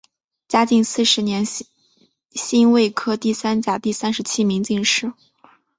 嘉靖四十年辛未科第三甲第三十七名进士。